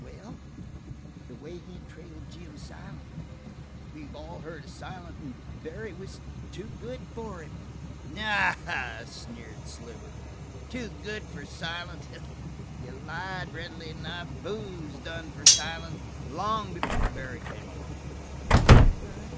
"Well, the way he trailed Jim Silent. We've all heard of Silent, and Barry was too good for him." "Bah," sneered Sliver. "Too good for Silent? Ye lied readily enough: booze done for Silent long before Barry come along." "That right?"